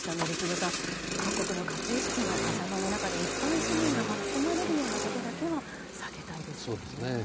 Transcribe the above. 宜嗣さん各国の駆け引きのはざまの中で一般市民が巻き込まれるようなことだけは避けたいですよね。